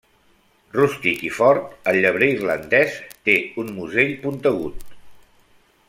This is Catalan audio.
Rústic i fort, el llebrer irlandès té un musell puntegut.